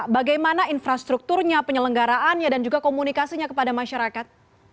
bagaimana infrastrukturnya penyelenggaraannya dan juga komunikasinya kepada masyarakat